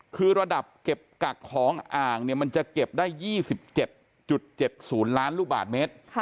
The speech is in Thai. คือระดับเก็บกักของอ่างมันจะเก็บได้๒๗๗๐ล้านลูกบาทเมตร